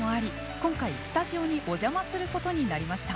今回スタジオにおじゃますることになりました。